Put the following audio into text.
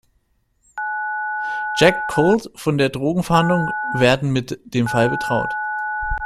Jack Colt von der Drogenfahndung werden mit dem Fall betraut.